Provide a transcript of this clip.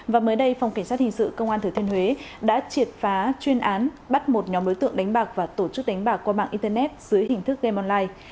và mới đây phòng kiểm soát hình sự công an thứ thiên huế đã triệt phá chuyên án bắt một nhóm đối tượng đánh bạc và tổ chức đánh bạc qua mạng internet dưới hình thức game online